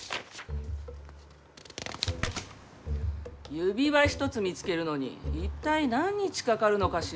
指輪一つ見つけるのに一体何日かかるのかしら。